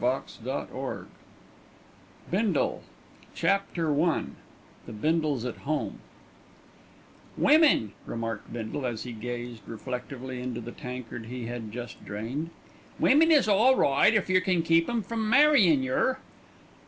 CONCLUSION BINDLE CHAPTER I THE BINDLES AT HOME "Women," remarked Bindle, as he gazed reflectively into the tankard he had just drained, "women is all right if yer can keep 'em from marryin' yer."